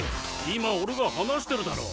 今俺が話してるだろ。